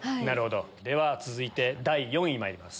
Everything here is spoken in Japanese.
では続いて第４位にまいります。